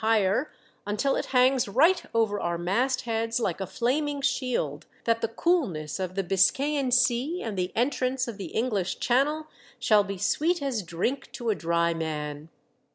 higher until it hangs right over our mast heads Hke a flaming shield, that the coolness of the Biscayan Sea and the entrance of the Enoflish Channel shall be sweet as drink to a dry man."